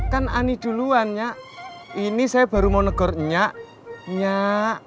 kan ani duluan nyak ini saya baru mau negur nyak